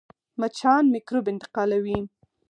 مچان میکروب انتقالوي